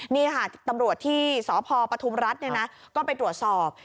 นี่ค่ะตำรวจที่สพปทุมรัฐก็ไปตรวจสอบ